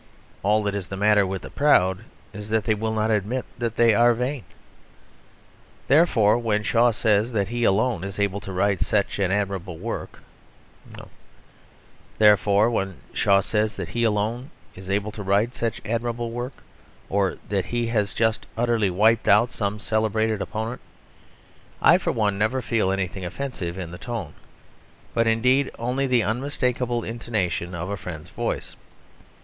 All that is the matter with the proud is that they will not admit that they are vain. Therefore when Shaw says that he alone is able to write such and such admirable work, or that he has just utterly wiped out some celebrated opponent, I for one never feel anything offensive in the tone, but, indeed, only the unmistakable intonation of a friend's voice.